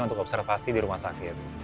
untuk observasi di rumah sakit